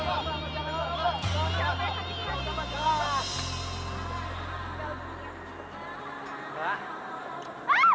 betapa sakitnya saya betapa penderitaan saya